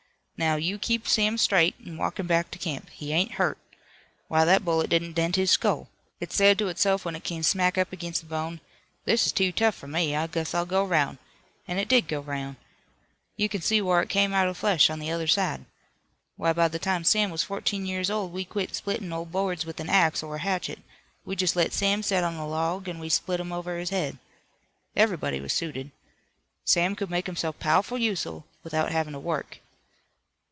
Now, you keep Sam straight, and walk him back to camp. He ain't hurt. Why, that bullet didn't dent his skull. It said to itself when it came smack up against the bone: 'This is too tough for me, I guess I'll go 'roun'.' An' it did go 'roun'. You can see whar it come out of the flesh on the other side. Why, by the time Sam was fourteen years old we quit splittin' old boards with an axe or a hatchet. We jest let Sam set on a log an' we split 'em over his head. Everybody was suited. Sam could make himself pow'ful useful without havin' to work."